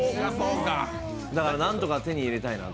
だから何とか手に入れたいなと。